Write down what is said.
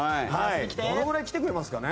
どのぐらい来てくれますかね？